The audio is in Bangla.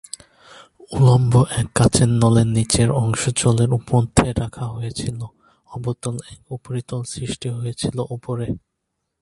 উল্লম্ব এক কাচের নলের নিচের অংশ জলের মধ্যে রাখা হয়েছিলো, অবতল এক উপরিতল সৃষ্টি হয়েছিলো ওপরে।